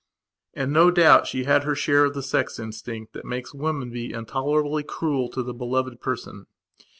And, no doubt, she had her share of the sex instinct that makes women be intolerably cruel to the beloved person.